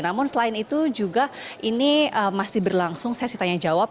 namun selain itu juga ini masih berlangsung sesi tanya jawab